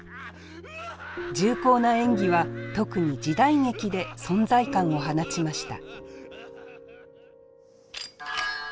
重厚な演技は特に時代劇で存在感を放ちました。